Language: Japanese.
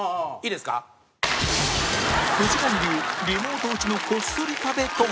フジモン流リモート打ちのこっそり食べとは？